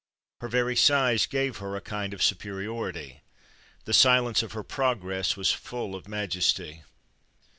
Her very size gave her a kind of superiority: the silence of her progress was full of majesty.